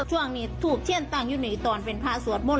ช่วงนี้ถูกเชี่ยนตั้งอยู่ในตอนเป็นพระสวทมล